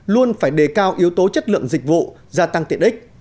luôn phải đề cao yếu tố chất lượng dịch vụ gia tăng tiện ích